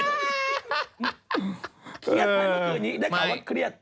ทีนี้ได้บอกว่าเครียด